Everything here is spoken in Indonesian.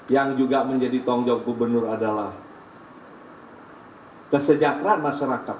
yang juga menjadi tanggung jawab gubernur adalah kesejahteraan masyarakat